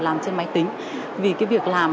làm trên máy tính vì cái việc làm